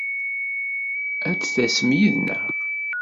Ad d-tasem yid-neɣ!